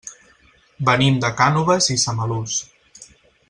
Venim de Cànoves i Samalús.